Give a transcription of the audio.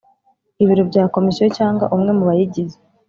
ibiro bya Komisiyo cyangwa umwe mu bayigize